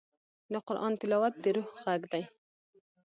د قرآن تلاوت د روح غږ دی.